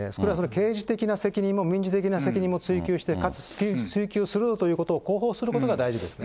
刑事的な責任も民事的な責任も追及して、かつ追及するということを広報することが大事ですね。